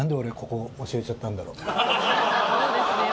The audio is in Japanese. そうですよ。